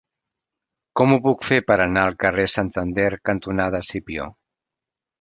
Com ho puc fer per anar al carrer Santander cantonada Escipió?